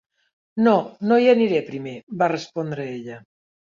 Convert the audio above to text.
"No, no hi aniré primer", va respondre ella.